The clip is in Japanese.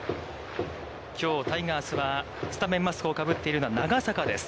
きょうタイガースは、スタメンマスクをかぶっているのは長坂です。